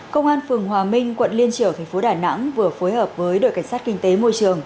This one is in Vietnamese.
công an phường hòa minh quận liên triều thành phố đà nẵng vừa phối hợp với đội cảnh sát kinh tế môi trường